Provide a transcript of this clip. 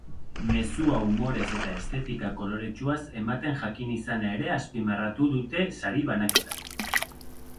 Mezua umorez eta estetika koloretsuaz ematen jakin izana ere azpimarratu dute sari banaketan.